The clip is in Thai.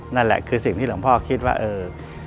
นั่นแหละคือสิ่งที่หลวงพ่อคิดว่าเออ